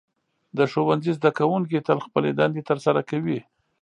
د ښوونځي زده کوونکي تل خپلې دندې ترسره کوي.